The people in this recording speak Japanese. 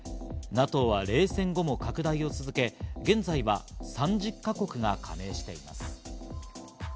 ＮＡＴＯは冷戦後の拡大を続け、現在は３０か国が加盟しています。